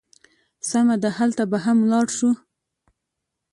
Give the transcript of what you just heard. سمه ده، هلته به هم ولاړ شو.